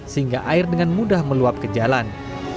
sehingga air dengan mudah meluap ke jalan